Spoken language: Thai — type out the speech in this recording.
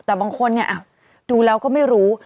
แต่บางคนดูแล้วก็ไม่รู้